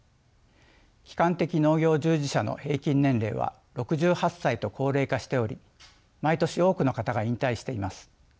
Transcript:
基幹的農業従事者の平均年齢は６８歳と高齢化しており毎年多くの方が引退しています。